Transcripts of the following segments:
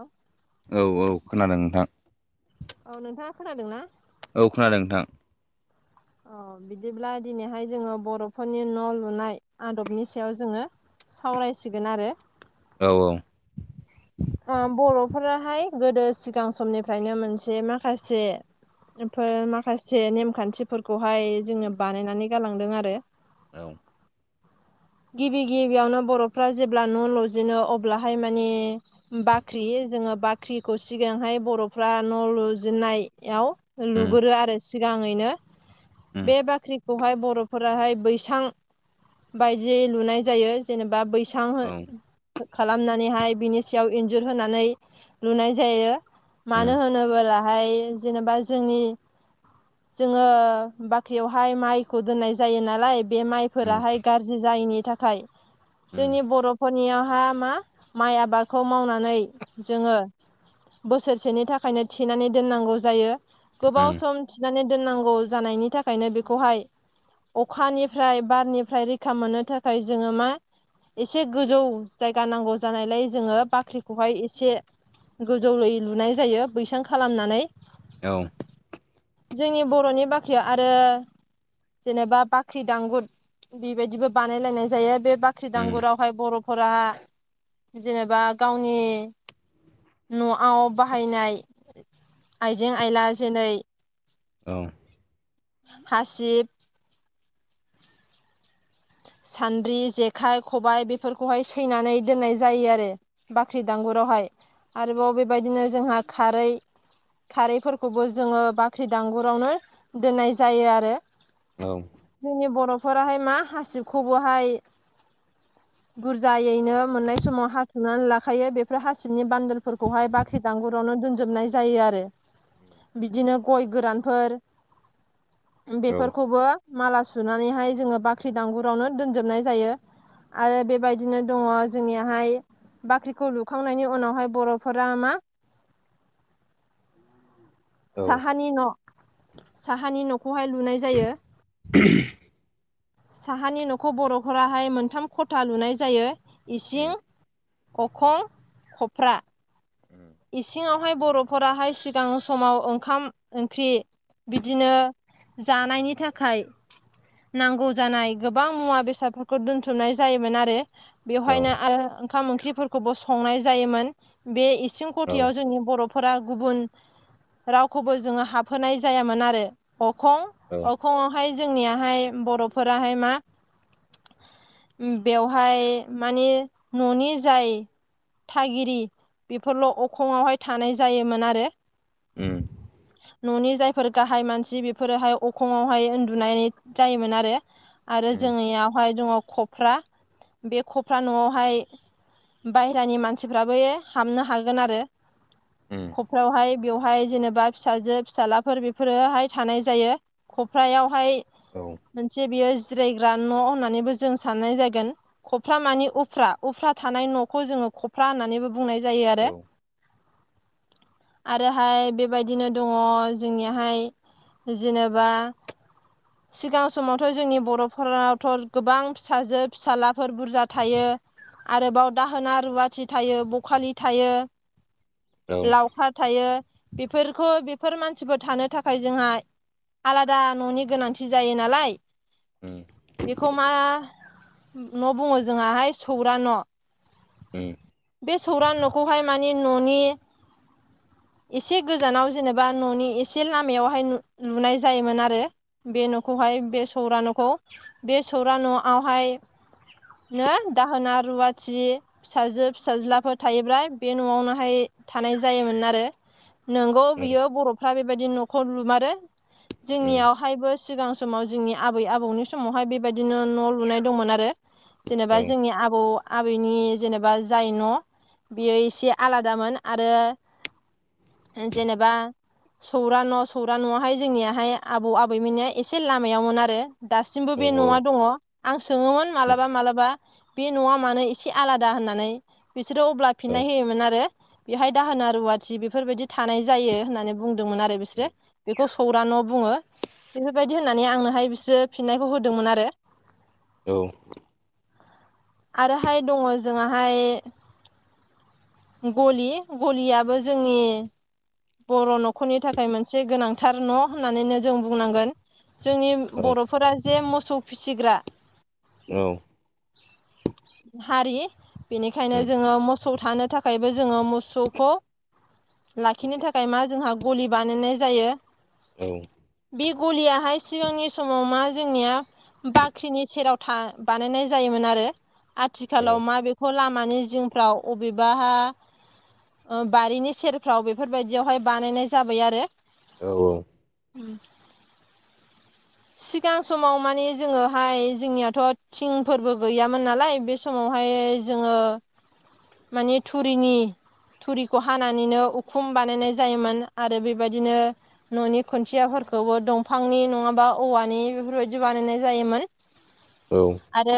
औे औ औ खोनादों नोंथां औ नोंथाङा खोनादों ना औ खोनादों नोंथां अ बिदिब्ला दिनैहाय जोङो बर'फोरनि न' लुनाय आदबनि सायाव जोङो सावरायसिगोन आरो। औ औ। बर'फोराहाय गोदो सिगां समनिफ्रायनो मोनसे माखासे फोर माखासे नेमखान्थिफोरखौहाय जोङो बानायनानै गालांदों आरो। औ। गिबि गिबियावनो बर'फ्रा जेब्ला न' लाजेनो अब्लाहाय माने बाख्रि जोङो बाख्रिखौ सिगांहाय बर'फ्रा न' लुजेननायाव। उम लुगोरो आरो सिगाङैनो उम बे बाख्रि बेहाय बर'फोराहाय बैसां बायदि लुनाय जायो जेनेबा बै औ नोंथां खालामनानैहाय बिनि सायाव इन्जुर होनानै लुनाय जायो। उम मानो उम होनोबलाहाय जेनेबा जोंनि जोङो बाख्रियावहाय माइखौ दोननाय जायो नालाय बे माइ उम फोराहाय गाज्रि जायैनि थाखाय जोंनि बरफोरनियावहा मा माइ आबादखौ मावनानै जोङो बोसोरसेनि थाखायनो थिनानै दोननांगौ जायो गोबाव उम सम थिनानै दोननांगौ जानायनि थाखायनो बेखौहाय अखानिफ्राय बारनिफ्राय मोननो थाखाय जोङो मा एसे गोजौ जायगा नांगौ जानायलाय जोङो बाख्रिखौहाय एसे गोजौै लुनाय जायो बैसां खालामनानै। औ। जोंनि बर'नि बाख्रियाव आरो जेनेबा बाख्रि दांगुुर बेबायदिबो बानायलायनाय जायो बे बाख्रि उम दांगुराव बर'फोरा जेनेबा गावनि न'आव बाहायनाय आइजें आयला जेरै औ। हासिब सान्द्रि जेखाइ खबाइ बेफोरखौहाय सैनानै दोननाय जायो आरो। बाख्रि दांगुरावहाय आरोबाव बेबायदिनो जोंहा खारै खारैफोरखौबो जोङो बाख्रि दांगुरावनो दोननाय जायो आरो। औ। जोंनि बर'फोराहाय मा हासिबखौबोहाय बुरजायैनो मोननाय समाव हाखुनानै लाखायो बेफोर हासिबनि बान्दोलफोरखौहाय बाख थैदांगुरावनो दोनजोबनाय जायो आरो। बिदिनो गय गोरानफोर। उम औ बेफोरखौबो माला सुनानैहाय जोङो बाख्रि दांगुरावनो दोनजोबनाय जायो। आरो बेबायदिनो दङ जोंनियाहाय। बाख्रिखौ लुखांनायनि उनावहाय बरफोरा मा साहानि न साहानि नखौहाय लुनाय जायो। लांदां [inaudible] साहानि नखौ बरफोराहाय मोनथाम खथा लुनाय जायो औ इसिं उम अखं खफ्रा। उम इसिङावहाय बर फोराहाय सिगां समाव ओंखाम ओंख्रि बिदिनो जानायनि थाखाय। नांगौ जानाय गोबां मुवा बेसादफोरखौ दोनथुमनाय जायोमोन आरो। औ उम औ उम औ उम औ उम औ उम औ बेवहायनो आरो ओंखाम ओंख्रिफोरखौबो संनाय जायोमोन बे इसिं औ औ खथयाव जोंनि बर फोरा गुबुन रावखौबो जोङो हाबहोनाय जायामोन आरो अखं अ फङावहाय जोंनियाहाय बर फोराहाय मा बेवहाय मानि ननि जाय थागिरि बेफोरल अखंआवहाय थानाय जायोमोन आरो। लांदां [inaudible] ननि जायफोर गाहाय मानसि बेफोरोहाय अखंवाहाय उन्दुनाय जायोमोन आरो। आरो जोंनियावहाय दङ खफ्रा बे खफ्रा नआवहाय बायहेरानि मानसिफ्राबो हाबनो हागोन आरो खफ्रावहाय बेवहाय जेनेबा फिसाजो फिसाज्लाफोर बेफोरोहाय थानाय जायो खफ्रायावहाय औ मोनसे बेयो जिरायग्रा न होननानैबो जों साननाय जागोन। खफ्रा मानि उफ्रा उफ्रा थानाय नखौ जोङो खफ्रा होननानैबो बुंनाय जायो आरो। आरोहाय बेबायदिनो दङ जोंनियाहाय जेनेबा लांदां सिगां समावथ जोंनि बर फोरावथ गोबां फिसाजो फिसालाफोर बुरजा थायो। आरोबाव दाहोना रुवाथि थायो बखालि थायो। लावखार थायो बेफोरखौ बेफोर मानसिफोर थानो थाखाय जोंहा आलादा न'नि गोनांथि जायो नालाय बेखौ मा न बुङो जोंङाहाय सौरा न बे सौरा नखौहाय मान बे ननि एसे गोजानाव जेनेबा ननि एसे लामायावहाय लुनाय जायोमोन आरो। बे नखौहाय बे सौरा नखौ बे सौरा नआवहाय ना दाहोना रुवाथि फिसाजो फिसाज्लाफोर थायोब्ला बे न आवनोहाय थानाय जायोमोन आरो नोंगौ बियो बर फ्रा बेबायदि नखौ लुमारो जोंनियाव हायबो सिगां समाव जोंनि आबै आबौनि समावहाय बेबायदिनो न लुनाय दंमोन आरो। जेनेबा जोंनि आबौ आबैनि जेनेबा जाय न बियो एसे आलादामोन आरो जेनेबा सौरा न सौरा नआवहाय जोंनियाहाय आबौ आबैमोननिया एसे लामायावमोन आरो। दासिमबो बे नआ दङ। आं सोङोमोन मालाबा मालाबा बे नआ मानो एसे आलादा होननानै बिसोरो अब्ला फिनाय होयोमोन आरो। बेहाय दाहोना रुवाथि बेफोरबायदि थानाय जायो होननानै बुंदोंमोन आरो बिस्रो बेखौ सौरा न बुङो। बेफोरबायदि होननानै आंनोहाय बिसोर फिननायखौ होदोंमोन आरो। औ आरोहाय दङ जोंङाहाय गलि गलियाबो जोंनि बर' न'खरनि थाखाय मोनसे गोनांथार न' होननानैनो जों बुंनांगोन। जोंनि बर'फोरा जे मोसौ फिसिग्रा औ हारि बेनिखायनो जोङो मोसौ थानो थाखाय थाखायबो जोङो मोसौखौ लाखिनो थाखाय मा जोंहा गलि बानायनाय जायो। बे गलियाहाय सिगांनि समाव मा जोंनिया बाख्रिनि सेराव था बानायनाय जायोमोन आरो। आथिखालाव मा बेेखौ लामानि जिंफ्राव अबेबा बारिनि सेरफ्राव बेफोरबायदियावहाय बानायनाय जाबाय आरो। उ [inaudible] सिगां समाव माने जोङोहाय जोंनियाथ' थिं फोरबो गैयामोन नालाय बे समावहाय जोङो माने थुरिनि थुरिखौ हानानैनो उखुम बानायनाय जायोमोन आरो बेबायदिनो न'नि खुन्थियाफोरखौबो दंफांनि नङाबा औवानि बेफोरबायदि बानायनाय जायोमोन। [inaudible] औ आरो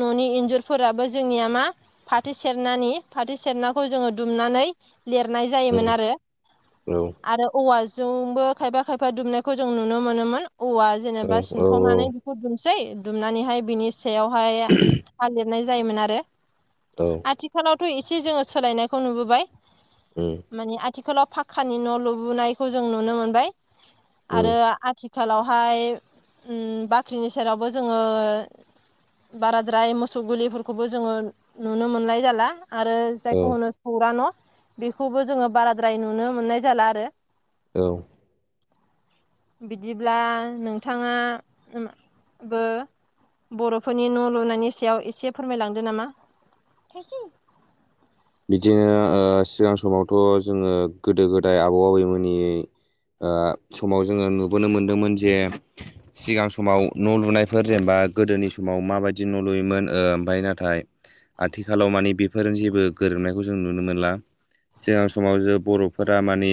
न'नि इन्जुरफोराबो जोंनिया मा फाथो सेरनानि फाथो सेरनाखौ जोङो दुमनानै लिरनाय जायोमोन आरो आरो औवाजोंबो खायफा खायफा दुमनायखौ जों नुनो मोनोमोन औवा जेनेबा सिनखावनानै दुमसै दुमनानैहाय बिनि सायावहाय हा लिरनाय जायोमोन आरो औ आथिखालावथ' एसे जोङो सोलायनायखौ नुबोबाय उ मानि आथिखालाव फाक्कानि न' लुबोननायखौ जों नुनो मोनबाय आरो उम आथिखालावहाय उ बाख्रिनि सेरावबो जोङो बाराद्राय मोसौ गुलिफोरखौबो जोङो नुनो मोनलाय जाला आरो औ जायखौ होनो सौरा न' बेखौबो जोङो बाराद्राय नुनो मोननाय जाला आरो औ [inaudible] बिदिब्ला नोंथाङा [unintelligible] बो बर'फोरनि न' लुनायनि सायाव एसे फोरमायलांदो नामा बिदिनो ओ सिगां समावथ' जोङो गोदो गोदाय आबौ आबैमोननि ओ समाव जोङो नुबोनो मोनदोंमोन जे सिगां समाव न' लुनायफोर जेनेबा गोदोनि समाव माबायदि न' लुयोमोन ओमफाय नाथाय आथिखालाव मानि बेफोर जेबो गोरोनायखौ जों नुनो मोनला सिगां समाव जे बर'फोरा माने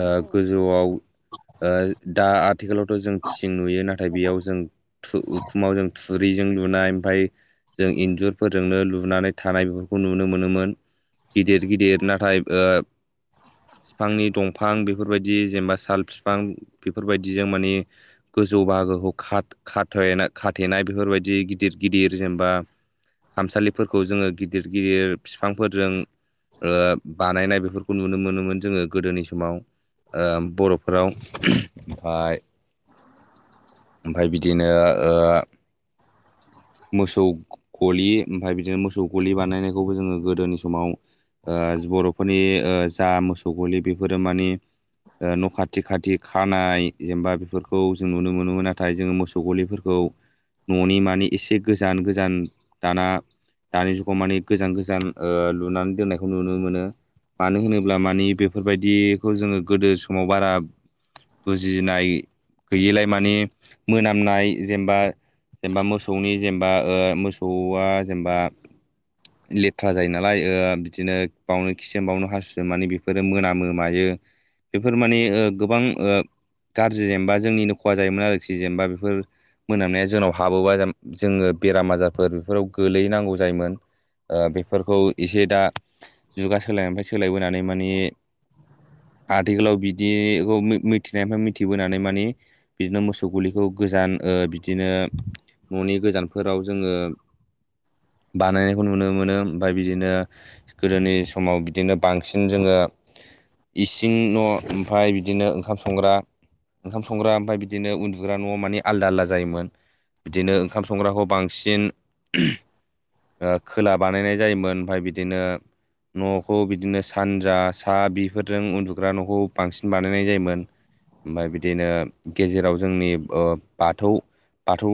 ओ गोजौआव ओ दा आथिखालावथ' जों थिं नुयो नाथाय बेयाव जों थु उखुमाव जों थुरिजों लुनाय ओमफाय जों इन्जुरफोरजोंनो लुनानै थानाय खौ नुनो मोनोमोन गिदिर गिदिर नाथाय ओ बिफांनि दंफां बेफोरबायदि जेनेबा साल बिफां बेफोरबायदिजों मानि गोजौ बाहागोखौ खाथ खाथेन खाथेनाय बेफोरबायदि गिदिर गिदिर जेनबा खामसालिफोरखौ जोङो गिदिर गिदिर बिफांफोरजों ओ बानायनाय बेफोर खौ नुनो मोनोमोन जोङो गोदोनि समाव ओ बर'फोराव [unintelligible] फाय [inaudible] ओमफाय बिदिनो ओ मोसौ गलि ओमफाय बिदिनो मोसौ गलि बानायनायखौबो जोङो गोदोनि समाव ओ बर'फोरनि ओ जा मोसौ गलि बेफोरो मानि ओ न' खाथि खाथि खानाय जेनबा बेफोरखौ जों नुनो मोनोमोन नाथाय जोङो मोसौ गलिफोरखौ न'नि माने एसे गोजान गोजान दाना दानि जुगाव माने गोजान गोजान ओ लुनानै दोननायखौ नुनो मोनो मानो होनोब्ला माने बेफोरबायदिखौ जोङो गोदो समाव बारा बुजिनाय गैयिलाय माने मोनामनाय जेनेबा जेनेबा मोसौ मोसौनि जेमबा मोसौआ जेमबा [inaudible] लेथ्रा जायो नालाय ओ बिदिनो बावनो खिसोम बावनो हासुसोम माने बेफोरो मोनामो मायो बेफोर माने ओ गोबां ओ गाज्रि जेनबा जोंनिनो खहा जायोमोन आरोखि जेनबा बेफोर मोनामनाया जोंनाव हाबोबा जोङो बेराम आजारफोर बेफोराव गोलैनांगौ जायोमोन ओ बेफोरखौ एसे दा जुगा सोलायनायनिफ्राय सोलायबोनानै माने आथिखालाव बिदिखौ मि मिथिनायनिफ्राय मिथिबोनानै माने बिदिनो मोसौ गलिखौ गोजान ओ बिदिनो न'नि गोजानफोराव जोङो बानायनायखौ नुनो मोनो ओमफाय बिदिनो गोदोनि समाव बिदिनो बांसिन जोंङो। इसिं न' ओमफ्राय बिदिनो ओंखाम संग्रा ओंखाम संग्रा ओमफ्राय बिदिनो उन्दुग्रा न'आ मानि आलदा आलदा जायोमोन। बिदिनो ओंखाम संग्राखौ बांसिन। खोला बानायनाय जायोमोन ओमफ्राय बिदिनो। न'खौ बिदिनो सानजा सा बेफोरजों उन्दुग्रा न'खौ बांसिन बानायनाय जायोमोन। ओमफ्राय बिदिनो गेजेराव जोंनि बाथौ। बाथौ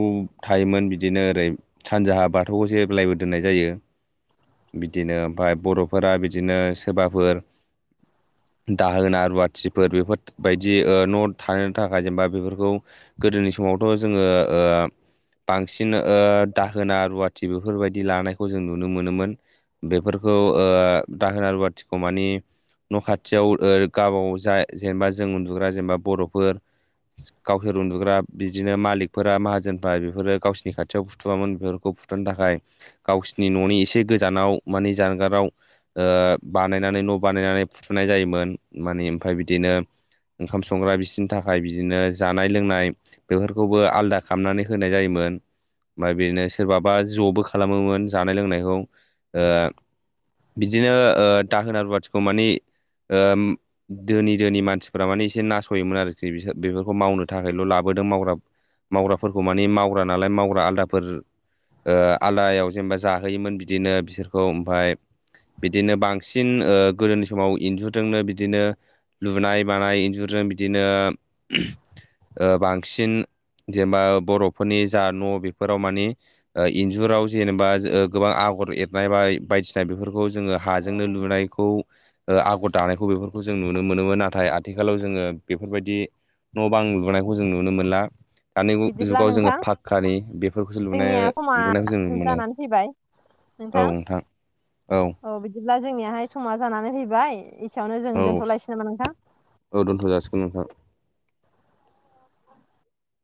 थायोमोन बिदिनो ओरै सानजाहा बाथौखौ जब्लायबो दोननाय जायो। बिदिनो ओमफ्राय बर'फोरा बिदिनो सोरबाफोर दाहोना रुवाथिफोर बेफोरबायायदि न' थनि थाखाय जेनेबा बेफोरखौ। गोदोनि समावथ' जोंङो बांसिन दाहोना रुवाथि बेफोरबायदि लानायखौ जों नुनो मोनोमोन। बेफोरखौ दाहोना रुवाथिखौ मानि। न' खाथियाव गावबा गाव जा जेनेबा जों उन्दुग्रा जेनेबा बर'फोर गावसोर उन्दुग्रा बिदिनो मालिक फोरा माहाजोनफ्रा बेफोरो गावसिनि खाथियाव फुथुवामोन बेफोरखौ फुथुनो थाखाय गावसिनि न'नि एसे गोजानाव माने जानगाराव। बानायनानै न' बानायनानै फुथुनाय जायोमोन माने ओमफ्राय बिदिनो ओंखाम संग्रा बिसोरनि थाखाय बिदिनो जानाय लोंनाय बेफोरखौबो आलादा खालामनानै होनाय जायोमोन। ओमफ्राय बिदिनो सोरबाबा ज'बो खालामोमोन जानाय लोंनायखौ। बिदिनो दाहोना रुवाथिखौ माने धोनि धोनि मानसिफोरा माने एसे नासयोमोन आरोखि बिसोर बेफोरखौ मावनो थाखायल' लाबोदों मावग्रा। मावग्राफोरखौ माने मावग्रा नालाय मावग्रा आलादाफोर। आलदायाव जेनेबा जाहोयोमोन बिदिनो बिसोरखौ ओमफ्राय बिदिनो बांसिन गोदोनि समाव इन्जुरजोंनो बिदिनो लुनाय मानाय इन्जुरजों बिदिनो बांसिन। जेनेबा बर'फोरनि जा न' बेफोराव माने इन्जुराव जेनेबा गोबां आगर एरनाय बा बायदिसिना बेफोरखौ जोंङो औ हाजोंनो लुनायखौ आगर दानायखौ बेफोरखौ जों नुनो। नुनो मोनोमोन नाथाय आथिखालाव जोङो बेफोरबायदि न' बां लुबोनायखौ जों नुनो मोनला। दानि बिदिब्ला जुगाव जोंङो नोंथां फाखकानि बेफोरखौसो लुनाय जोंनिया समा लुनायखौ जों नुनो मोनो। जानानै फैबाय औ नोंथां औ। औ बिदिब्ला जोंनियाहाय समा जानानै फैबाय एसेयावनो जों औ दोनथ'लायसै नामा नोंथां? औ दोनथ' जासिगोन नोंथां।